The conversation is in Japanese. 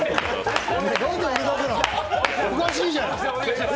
おかしいじゃない！